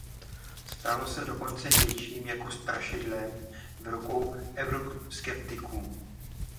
Stalo se dokonce něčím jako strašidlem v rukou euroskeptiků.